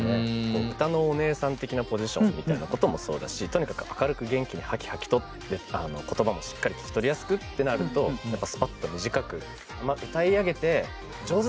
うたのお姉さん的なポジションみたいなこともそうだしとにかく明るく元気にハキハキとって言葉もしっかり聞き取りやすくってなるとやっぱスパッと短く。